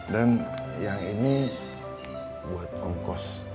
dan yang ini buat om kos